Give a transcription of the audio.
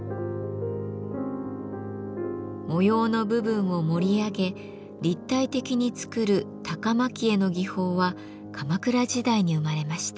模様の部分を盛り上げ立体的に作る「高蒔絵」の技法は鎌倉時代に生まれました。